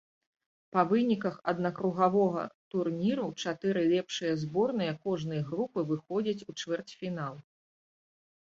Па выніках аднакругавога турніру чатыры лепшыя зборныя кожнай групы выходзяць у чвэрцьфінал.